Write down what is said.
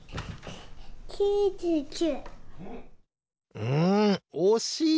うんおしい！